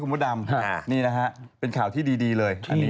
ยังไม่เห็นเลย